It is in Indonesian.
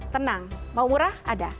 tenang mau murah ada